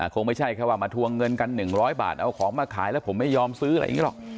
คงไม่ใช่แค่ว่ามาทวงเงินกัน๑๐๐บาทเอาของมาขายแล้วผมไม่ยอมซื้ออะไรอย่างนี้หรอก